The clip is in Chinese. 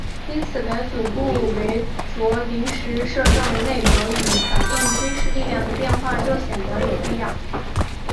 因此改组顾维钧临时摄政内阁以反映军事力量的变化就显得有必要。